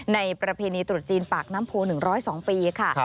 ประเพณีตรุษจีนปากน้ำโพ๑๐๒ปีค่ะ